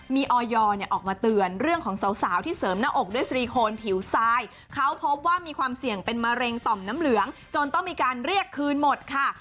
มีออยออกมาเตือนเรื่องของสาวที่เสริมหน้าอกด้วยสรีโคนผิวทรายเขาพบว่ามีความเสี่ยงเป็นมะเร็งต่อมน้ำเหลืองจนต้องมีการเรียกคืนหมดค่ะ